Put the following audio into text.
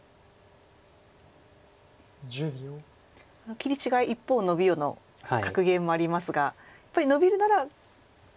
「切り違い一方をノビよ」の格言もありますがやっぱりノビるならここ？